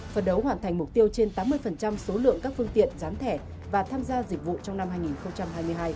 phần đấu hoàn thành mục tiêu trên tám mươi số lượng các phương tiện gián thẻ và tham gia dịch vụ trong năm hai nghìn hai mươi hai